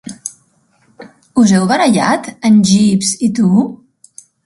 Us heu barallat en Jeeves i tu?